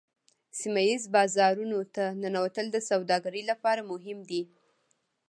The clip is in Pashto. سیمه ایزو بازارونو ته ننوتل د سوداګرۍ لپاره مهم دي